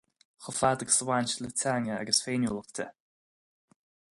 Chomh fada agus a bhain sé le teanga agus féiniúlacht de.